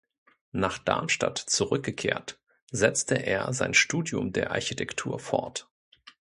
Nach Darmstadt zurückgekehrt setzte er sein Studium der Architektur fort.